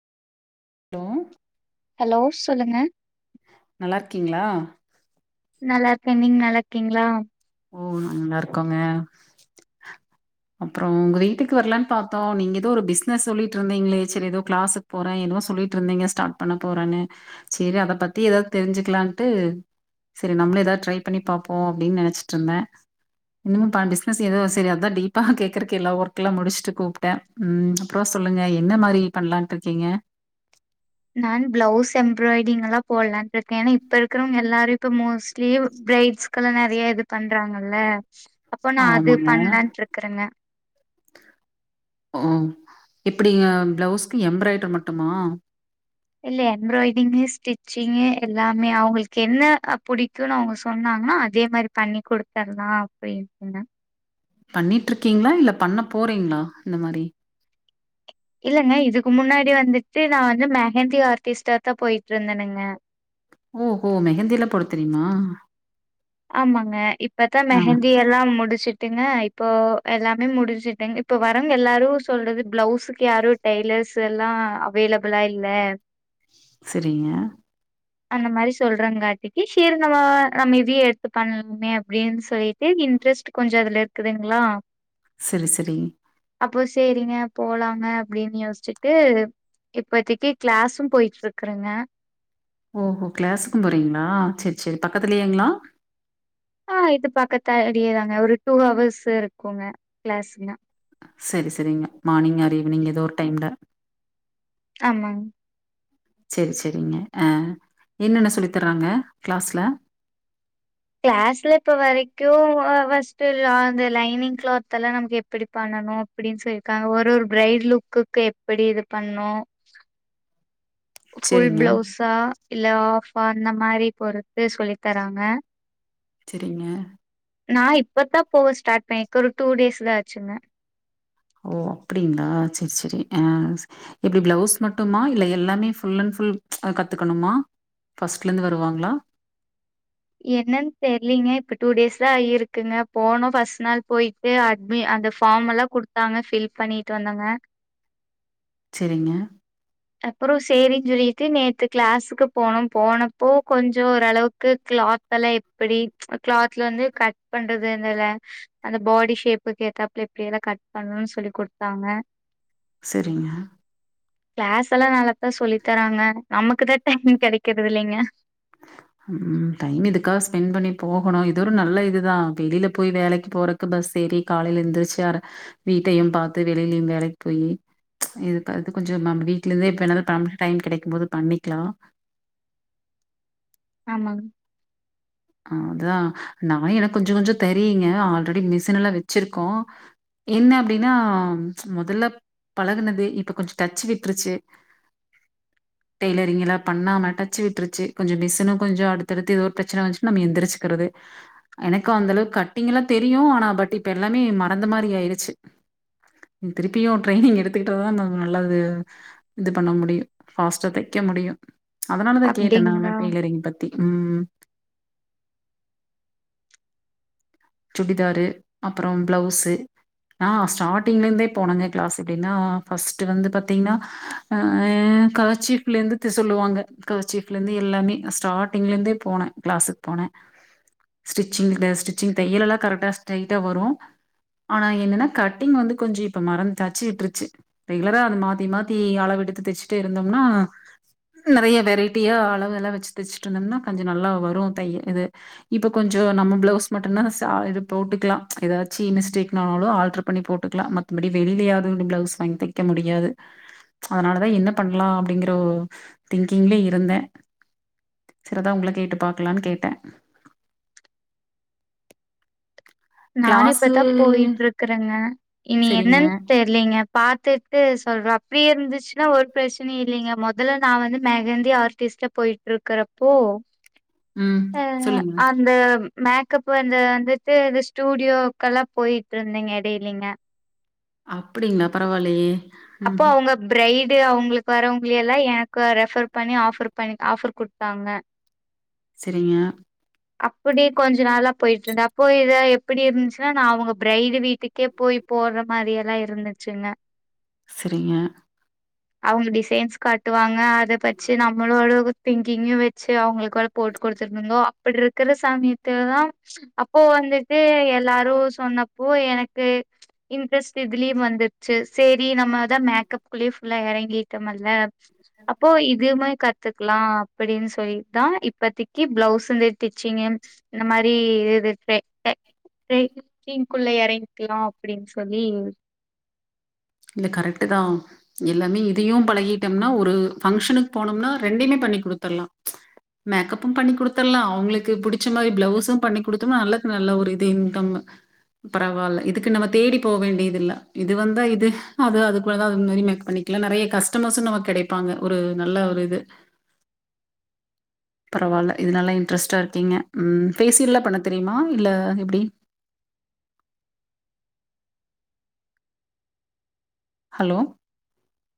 hello hello சொல்லுங்க நல்லாருக்கீங்ளா நல்லாருக்கேன் நீங் நல்லா இருக்கீங்ளா ஓ நாங் நல்லாருக்கோங்க அப்றோ உங்க வீட்டுக்கு வரலான்னு பாத்தோ நீங்க எதோ ஒரு பிசினஸ் சொல்லிட்டு இருந்தீங்ளே சரி எதோ கிளாஸு போறேன் என்னவோ சொல்லிட்டு இருந்தீங்க ஸ்டார்ட் பண்ணப் போறன்னு சேரி அதப் பத்தி எதாவது தெரிஞ்சுக்கலான்ட்டு செரி நம்மளு எதாவது ட்ரை பண்ணி பாப்போ அப்டின்னு நெனச் ட்ருந்தேன் இன்னும்ப்பா பிசினஸ் எதோ சேரி அதா டீப்பா கேக்கறக்கு எல்லா ஒர்க்கெல்லா முடிச்சிட்டு கூப்ட்ட ம் அப்றோ சொல்லுங்க என்ன மாரி பண்லான்ட்டு இருக்கீங்க நா பிளவுஸ் எம்ப்ராய்டிங்கெல்லா போலான்ட்டு இருக்கேன் ஏனா இப்ப இருக்கறவங்க எல்லாரு இப்ப மோஸ்ட்லி பிரைட்ஸ்க்கெல்லா நெறையா இது பண்றாங்கல்ல அப்போ நா அது ஆமாங்க பண்லான்ட்டு இருக்கறங்க ஓ எப்டிங்க பிளவுஸ்க்கு எம்ப்ராய்டரு மட்டுமா இல்ல எம்ப்ராய்டிங்கு ஸ்டிச்சிங்கு எல்லாமே அவுங்களுக்கு என்ன புடிக்குன்னு அவுங்க சொன்னாங்கன்னா இதே மாரி பண்ணி குடுத்தர்லான் அப்டின்ட்டுந்த பண்ணிட்டு இருக்கீங்ளா இல்ல பண்ண போறீங்ளா இந்த மாரி இல்லங்க இதுக்கு முன்னாடி வந்துட்டு நா வந்து மெஹந்தி ஆர்ட்டிஸ்ட்டாதா போயிட்டு இருந்தனுங்க ஓ ஹோ மெஹந்தி எல்லா போடத்தெரிமா ஆமாங்க இப்பத்தா ஆ மெஹந்தி எல்லா முடிச்சுட் என்ன இப்போ எல்லாமே முடிஞ்சுட்டங் இப்ப வரவுங்க எல்லாரு சொல்றது பிளவுஸுக்கு யாரு டெய்லர்ஸ் எல்லா அவைலபிளா இல்ல செரிங்க அந்த மாரி சொல்றாங்க அட்டிக்கு சேரி நம்ம நம்ம இதேயே எடு த்து பண்ணலுமே அப்டின்னு சொல்லிட்டு இன்ட்ரெஸ்ட் கொஞ்சோ இதுல இருக்குதுங்களா செரி செரி அப்போ சேரிங்க போலாங்க அப்டின்னு யோசிச்சுட்டு இப்பதைக்கி கிளாஸு போயிட்டு இருக்குறங்க ஓ ஹோ கிளாஸுக்கு போறீங்களா சேரி சேரி பக்கத்துலயேங்களா ஆ இது பாக்க தடியேதாங்க ஒரு டூ ஹவர்ஸ்சு இருக்குங்க கிளாஸ்ல செரி செரிங்க மார்னிங் ஆர் ஈவினிங் ஏதோ ஒரு டைம்ல ஆமாங் செரி செரிங்க அ என்னென்ன சொல்லித்தர்றாங்க கிளாஸ்ல கிளாஸ்ல இப்ப வரைக்கு அ ஃபஸ்ட்டு லா அந்த லைனிங் கிளாத் எல்லா நமக்கு எப்டி பண்ணணு அப்டின்னு சொல்லிருக்காங்க ஒரு ஒரு பிரைட லுக்குக்கு எப்டி இது பண்ணோ ஃபுல் சரிங்க, பிளவுஸா இல்ல ஆஹ்ஃபா அந்த மாரி பொறுத்து சொல்லி தராங்க செரிங்க நா இப்பதா போக ஸ்டார்ட் பண்ணிருக்கே ஒரு டூ டேஸ் தா ஆச்சிங்க ஓ அப்டிங்களா செரி செரி அ எப்டி பிளவுஸ் மட்டுமா இல்ல எல்லாமே ஃபுல் அண்ட் ஃபுல் கத்துக்கணுமா ஃபஸ்ட்டுலருந்து வருவாங்களா என்னன்னு தெர்லீங்க இப்ப டூ டேஸ் தா ஆயிருக்குங்க போனோ ஃபஸ்ட்டு நாள் போயி போய் அட்மி அந்த ஃபார்ம் எல்லா குடுத்தாங்க ஃபில் பண்ணிட்டு வந்தேங்க செரிங்க அப்பறோ சேரின்னு சொல்லிட்டு நேத்து கிளாஸுக்கு போனோ போனப்போ கொஞ்சோ ஓரளவுக்கு கிளாத் அதல்லா எப்டி கிளாத்ல வந்து கட் பண்றதுந்தல அந்த பாடி ஷேப்புக்கு ஏத்தாப்புல எப்டில்லா கட் பண்ணணுனு சொல்லி குடுத்தாங்க செரிங்க கிளாஸ் எல்லா நல்லாத்தா சொல்லி தராங்க நமக்கு தா டைம் கெடைக்கறது இல்லைங்க [inaudible] ம் டைம் இதுக்காக ஸ்பெண்ட் பண்ணி போகணு இது ஒரு நல்ல இதுதா வெளில போய் வேலைக்கு போற க்கு பஸ் ஏறி காலேல எழுந்திரச்சு அர வீட்டயு பாத்து வெளிலயு வேலைக்கு போயி இதுக்கு அது கொஞ்சோ நம்ம வீட்ல இருந்தே இப்ப என்னது டைம் கெடைக்கு போது பண்ணிக்கிலா ஆமாங்க அதா நா எனக்கு கொஞ்ச கொஞ்ச தெரியுங்க ஆல்ரெடி மிஷின் எல்லா வச்சிருக்கோ என்ன அப்டின்னா மொதல்ல பழகுனது இப்ப கொஞ்ச டச்சு விட்டுருச்சு டெய்லரிங்ல்லா பண்ணாம டச்சு விட்டுருச்சு கொஞ்சோ மிசினு கொஞ்சோ அடுத்தடுத்து ஏதோ ப்ரெச்சனை வஞ்சு நம்ம எந்திரிச்சுக்கிறது எனக்கு அந்த அளவுக்கு கட்டிங் எல்லா தெரியு ஆனா பட் இப்ப எல்லாமே மறந்த மாரி ஆயிருச்சு திருப்பியு ட்ரைனிங் எடுத்துக்கிட்டட்டுதுதா நல்லது இது பண்ண முடியு ஃபாஸ்ட்டா தைக்க முடியு அதனாலதா கேட்டே நானு அப்டிங்களா டெய்லரிங் பத்தி ம் சுடிதாரு அப்றம் பிளவுஸு நா ஸ்டார்டிங்லேருந்தே போனே கிளாஸ் எப்டினா ஃபர்ஸ்ட்டு வந்து பாத்தீங்கன்னா அ கர்சீப்லேருந்து சொல்லுவாங்க கர்ச்சீஃப்ல இருந்து எல்லாமே ஸ்டார்ட்டிங்லேருந்தே போனே கிளாஸுக்கு போனே ஸ்டிச்சிங்ல ஸ்டிச்சிங் தையல் எல்லாம் கரெக்டா ஸ்ட்ரைட்டா வரும் ஆனா என்னன்னா கட்டிங் வந்து கொஞ்சோ இப்ப மறந்தாச்சு டச்சு விட்டுருச்சு ரெகுலரா அது மாத்தி மாத்தி அளவு எடுத்து தைச்சுட்டடே இருந்தோம்னா நெறைய வெரைட்டியா அளவுெல்லாம் வச்சு தச்சுட்டு இருந்தம்னா கொஞ்சோ நல்லா வரும் தைய இது இப்ப கொஞ்சோ நம்ம பிளவுஸ் மட் டுனா சா இது போட்டுக்கலாம் ஏதாச்சி மிஸ்டேக்னாலு ஆல்டர் பண்ணி போட்டுக்கலா மத் தபடி வெளியிலயாவது பிளவுஸ் வாங்கி தைக்க முடியாது அதனால தா என்ன பண்ணலா அப்படிங்கற ஒ திங்கிங்லே இருந்தே சரிதான் உங்கள கேட்டு பாக்கலான்னு கேட்டே நானு கிளாஸு இப்பதான் போயிட்டு இருக்கறேங்க இனி சரிங்க என்னன்னு தெர் இல்லைங்க பாத்துட்டு சொல்றா அப்டியே இருந்துச்சுன்னா ஒரு பிரச்சனை இல்லைங்க முதல்ல நா வந்து மெகந்தி ஆர் டிஸ்ட போயிட்டு இருக்கறப்போ ம் அ சொல்லுங்க அந்த மேக்கப் வந்து வந்துட்டு அது ஸ்டூடியோக்கெல்லாம் போயிட்டு இருந்தேங்க இடையிலிங்க அப்டிங்களா பரவால்லயே அப்போ அவங்க பிரரைடு அவங்களுக்கு வரவங்களை எல்லா எனக்கு ரெஃபர் பண்ணி ஆஃபர் பண்ணி ஆஃபர் கொடுத்தாங்க சரிங்க அப்டி கொஞ்சோ நாளா போய்ட்டு இருந்தே அப்போ இத எப்படி இருந்துச்சுன்னா நான் அவங்க பிரைடு வீட்டுக்கே போய் போட்ற மாரில்லாம் இருந்துச்சுங்க சரிங்க அவங்க டிசைன்ஸ் காட்டுவாங்க அத பச்சி நம்ம ஓரளவு திங்கிங்கு வச்சு அவங்களுக்கு வேல போட்டு குடுத்துருவங்கோ அப்டி இருக்கிற சமயத்துல தா அப்போ வந்துட்டு எல்லாரு சொன்னப்போ எனக்கு இன்ட்ரெஸ்ட் இதுலியே வந்துட்ச்சு சரி நா நம்ம தா மேக்கப்க்குள்ளயே புல்லா எறங்கிட்டம்மல்ல அப்போ இதுவுமே கத்துக்கலாம் அப்டின்னு சொல்லிதான் இப்பத்தக்கி ப்ளவுஸ் இந்த ஸ்டிச்சிங்கு இந்த மாரி இது [unintelligible] டைப் டே டீம் குள்ள எறங்கிக்கலா அப்டின்னு சொல்லி இல்ல கரெக்ட்டு தா எல்லாமே இதயும் பழகிட்டம்னா ஒரு பஃங்க்ஷனுக்கு போனோம்னா ரெண்டயுமே பண்ணி குடுத்துடலாம் மேக்கப்பு பண்ணி குடுத்தடலாம் அவுங்களுக்கு புடிச்ச மாரி ப்ளவுஸும் பண்ணி குடுத்தோம்னா நல்ல நல்ல ஒரு இது இன்கம் பரவால்ல இதுக்கு நம்ம தேடி போ வேண்டியது இல்ல இது வந்தா இது அது அதுக்குள்ளதான் அது மாரி மேக் பண்ணிக்கலாம் நறைய கஸ்டமர்ஸும் நமக்கு கெடைப்பாங்க ஒரு நல்ல ஒரு இது பரவால்ல இது நல்ல இன்ட்ரெஸ்ட்டா இருக்கீங்க ம் ஃபேசியல்லாம் பண்ண தெரியுமா இல்ல எப்டி ஹலோ